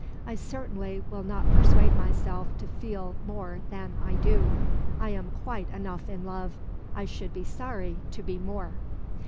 I certainly will not persuade myself to feel more than I do. I am quite enough in love. I should be sorry to be more.'"